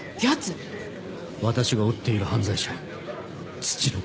私が追っている犯罪者ツチノコ。